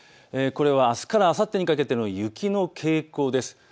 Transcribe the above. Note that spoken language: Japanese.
これは、あすからあさってにかけての雪の傾向です。